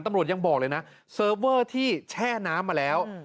ตำรวจยังบอกเลยนะเซิร์ฟเวอร์ที่แช่น้ำมาแล้ว